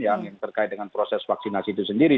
yang terkait dengan proses vaksinasi itu sendiri